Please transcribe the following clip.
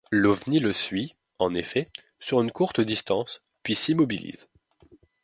L'ovni le suit, en effet, sur une courte distance, puis s'immobilise.